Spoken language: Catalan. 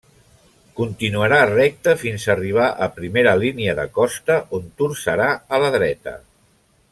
Continuarà recte fins a arribar a primera línia de costa, on torçarà a la dreta.